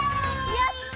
やった！